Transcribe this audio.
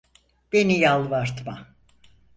Beni yalvartma.